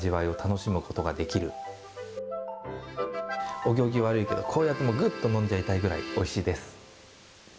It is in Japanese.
お行儀悪いけど、こうやってぐっと飲んじゃいたいぐらいおいしいです。